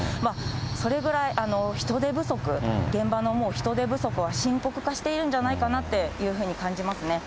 それぐらい人手不足、現場の人手不足は深刻化しているんじゃないかなっていうふうに感じますね。